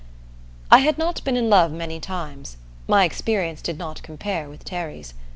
I had not been in love many times my experience did not compare with Terry's.